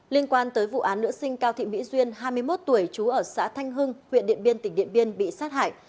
liên quan tới vụ án nữ sinh cao thị mỹ duyên hai mươi một tuổi trú ở xã thanh hưng huyện điện biên tỉnh điện biên bị sát hại